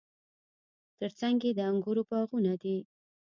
ترڅنګ یې د انګورو باغونه دي.